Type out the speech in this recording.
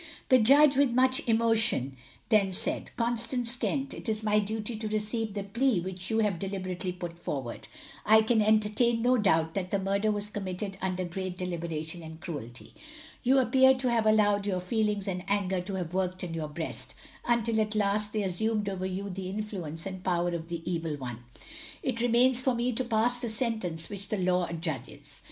The Judge, with much emotion, then said Constance Kent, it is my duty to receive the plea which you have deliberately put forward. I can entertain no doubt that the murder was committed under great deliberation and cruelty. You appear to have allowed your feelings and anger to have worked in your breast, until at last they assumed over you the influence and power of the Evil One. It remains for me to pass the sentence which the law adjudges.